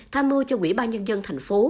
tham mưu cho quỹ ban nhân dân thành phố